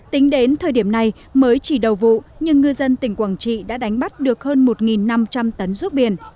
tính đến thời điểm này mới chỉ đầu vụ nhưng ngư dân tỉnh quảng trị đã đánh bắt được hơn một năm trăm linh tấn ruốc biển